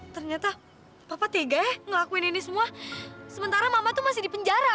ternyata papa tega ya ngelakuin ini semua sementara mama tuh masih di penjara pa